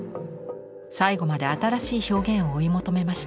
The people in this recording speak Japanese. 最後まで新しい表現を追い求めました。